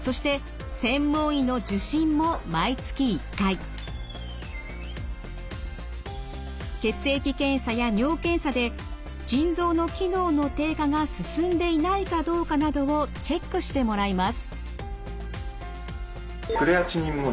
そして血液検査や尿検査で腎臓の機能の低下が進んでいないかどうかなどをチェックしてもらいます。